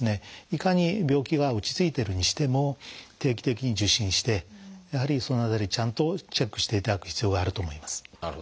いかに病気が落ち着いてるにしても定期的に受診してやはりその辺りちゃんとチェックしていただく必要があると思います。